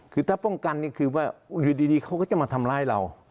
คือถ้าป้องกันนี่คือว่าอยู่ดีเขาก็จะมาทำร้ายเรา